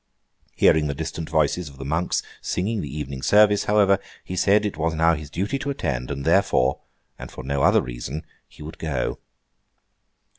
Hearing the distant voices of the monks singing the evening service, however, he said it was now his duty to attend, and therefore, and for no other reason, he would go.